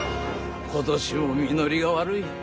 今年も実りが悪い。